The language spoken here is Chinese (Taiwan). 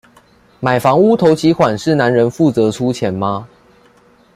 買房屋頭期款是男人負責出錢嗎？